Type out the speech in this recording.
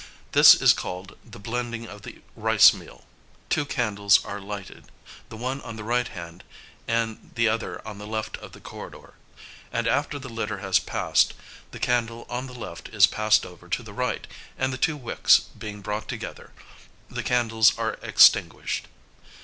This is called the blending of the rice meal. Two candles are lighted, the one on the right hand and the other on the left of the corridor; and after the litter has passed, the candle on the left is passed over to the right, and, the two wicks being brought together, the candles are extinguished.